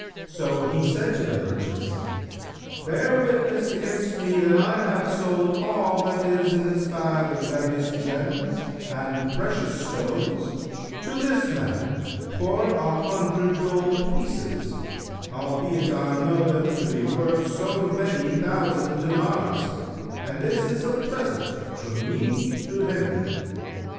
So he said to the merchants, 'Bear witness against me that I have sold all that is in this bag of various gems and precious stones to this man for an hundred gold pieces, albeit I know them to be worth so many thousand dinars, and this is a present from me to him.'